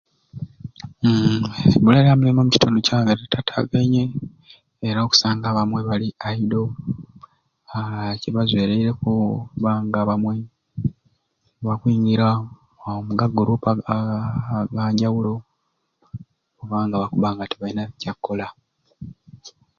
Uum ebbula lyamirimu omukitundu kyange litatagainye era okusanga abamwe nga bali ayido aa kibazwereireku okubba nga abamwe bakwingira omu gaguluupu aaa aganjawulo kubanga bakubba nga tibalina kyakukola.